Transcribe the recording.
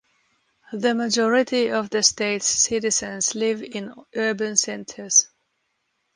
The majority of the state's citizens live in urban centers.